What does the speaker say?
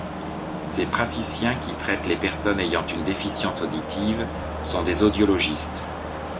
Ses praticiens, qui traitent les personnes ayant une déficience auditive, sont des audiologistes.